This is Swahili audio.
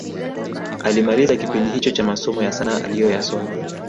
Alimaliza kipindi hicho cha masomo ya sanaa aliyoyasoma